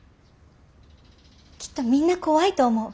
きっとみんな怖いと思う。